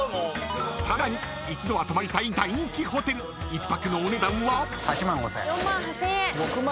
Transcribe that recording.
［さらに一度は泊まりたい大人気ホテル１泊のお値段は？］